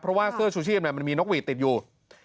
เพราะว่าเสื้อชูชีพมันมีนกหวีดติดอยู่